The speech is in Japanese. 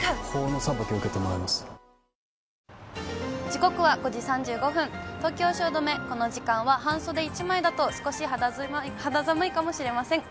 時刻は５時３５分、東京・汐留、この時間は半袖１枚だと少し肌寒いかもしれません。